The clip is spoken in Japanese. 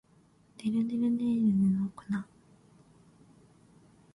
ねるねるねるねの一の粉